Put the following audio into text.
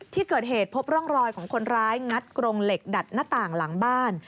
ที่เกิดเหตุพบร่องรอยของคนร้ายงัดกรงเหล็กดัดหน้าต่างหลังบ้าน